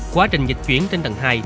quá trình dịch chuyển trên tầng hai